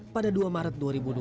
pada dua maret dua ribu dua puluh